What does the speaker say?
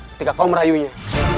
ketika kau merayunya